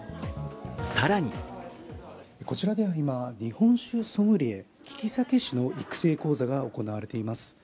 更にこちらでは今、日本酒ソムリエ、きき酒師の育成講座が行われています。